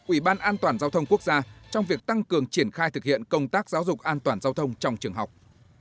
ủy ban an toàn giao thông quốc gia trong việc tăng cường triển khai thực hiện công tác giáo dục an toàn giao thông trong trường học